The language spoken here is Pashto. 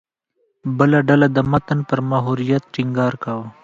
بله ډله د متن پر محوریت ټینګار کاوه.